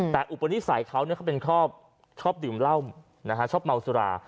แต่อุปนิสัยเขาเนี่ยเขาเป็นครอบชอบดื่มเหล้านะฮะชอบเมาสุรา